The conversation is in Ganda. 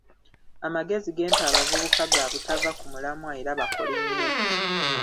Amagezi gempa abavubuka ga butava ku mulamwa era bakole nnyo.